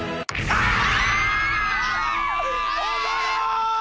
ああ！